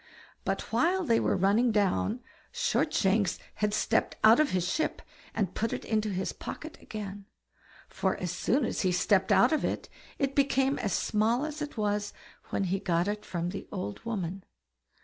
But while they were running down, Shortshanks had stepped out of his ship and put it into his pocket again; for as soon as he stepped out of it, it became as small as it was when he got it from the old woman.